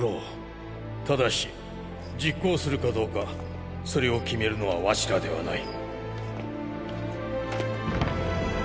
ただし実行するかどうかそれを決めるのはワシらではない。